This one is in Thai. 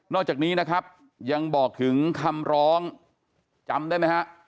อกจากนี้นะครับยังบอกถึงคำร้องจำได้ไหมฮะ